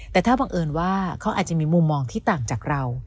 แต่ถ้าบังเอิญว่าเขาอาจจะมีมุมมองที่ต่างจากเรา